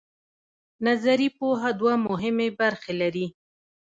نظري پوهه دوه مهمې برخې لري.